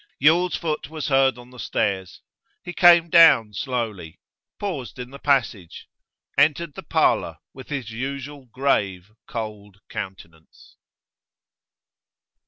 Yule's foot was heard on the stairs; he came down slowly, paused in the passage, entered the parlour with his usual grave, cold countenance.